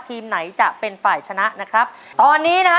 ทีมไหนจะเป็นฝ่ายชนะนะครับตอนนี้นะฮะ